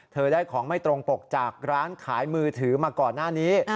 ได้ของไม่ตรงปกจากร้านขายมือถือมาก่อนหน้านี้